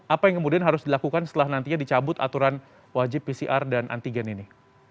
apa yang kemudian harus dilakukan setelah nantinya dicabut aturan wajib pcr dan antigen ini